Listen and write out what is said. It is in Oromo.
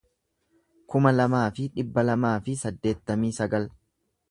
kuma lamaa fi dhibba lamaa fi saddeettamii sagal